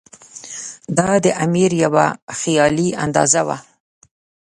دا د امیر یوه خیالي اندازه وه.